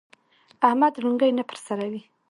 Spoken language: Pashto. احمد لونګۍ نه پر سروي.